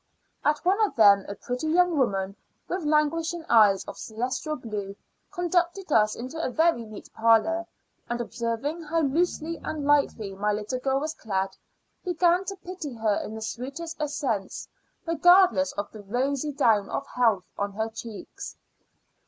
At one of them, a pretty young woman, with languishing eyes of celestial blue, conducted us into a very neat parlour, and observing how loosely and lightly my little girl was clad, began to pity her in the sweetest accents, regardless of the rosy down of health on her cheeks.